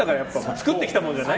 作ってきたものじゃない。